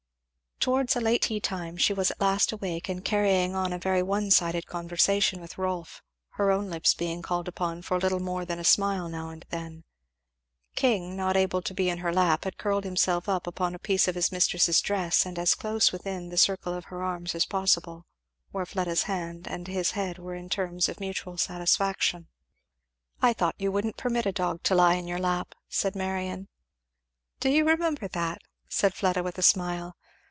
Towards a late tea time she was at last awake, and carrying on a very one sided conversation with Rolf, her own lips being called upon for little more than a smile now and then. King, not able to be in her lap, had curled himself up upon a piece of his mistress's dress and as close within the circle of her arms as possible, where Fleda's hand and his head were on terms of mutual satisfaction. "I thought you wouldn't permit a dog to lie in your lap," said Marion. "Do you remember that?" said Fleda with a smile.